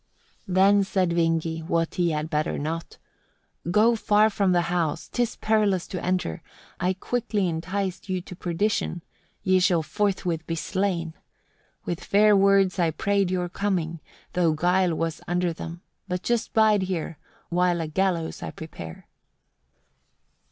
37. Then said Vingi, what he had better not, "Go far from the house, 'tis perilous to enter; I quickly enticed you to perdition; ye shall forthwith be slain. With fair words I prayed your coming, though guile was under them. But just bide here, while a gallows I prepare."